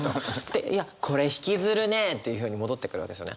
でいや「これ引き摺るねー？」っていうふうに戻ってくるわけですよね。